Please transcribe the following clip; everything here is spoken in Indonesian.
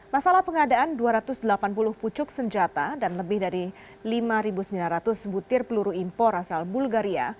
masalah pengadaan dua ratus delapan puluh pucuk senjata dan lebih dari lima sembilan ratus butir peluru impor asal bulgaria